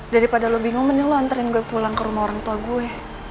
daripada lo bingung mending lo anterin gue pulang ke rumah orang tua gue